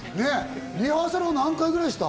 リハーサルを何回ぐらいした？